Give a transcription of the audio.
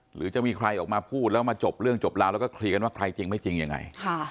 หรือจะมีใครออกมาพูดแล้วมาจบเรื่องจบราวแล้วก็เคลียร์กันว่าใครจริงไม่จริงยังไง